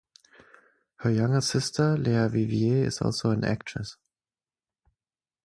Her younger sister Lea Vivier is also an actress.